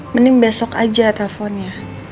mending besok aja teleponnya